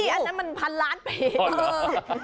อันนั้นมันพันล้านปี